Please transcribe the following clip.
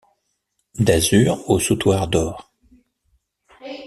D´azur au sautoir d´or.